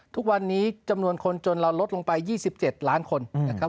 ทุกวันนี้จำนวนคนจนเราลดลงไป๒๗ล้านคนนะครับ